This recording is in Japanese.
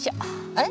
あれ？